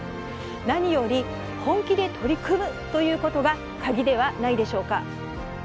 何より本気で取り組むということが鍵ではないでしょうか。